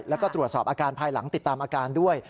แล้วก็ตรวจสอบอาการภายหลังติดตามอาการด้วย